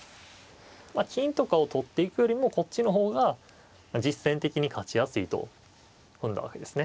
まあ金とかを取っていくよりもこっちの方が実戦的に勝ちやすいと踏んだわけですね。